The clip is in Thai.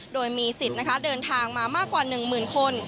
โดยมีสิทธิ์เดินทางมามากกว่า๑๐๐๐คน